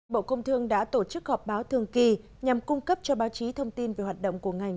bộ công thương đã tổ chức họp báo thường kỳ nhằm cung cấp cho báo chí thông tin về hoạt động của ngành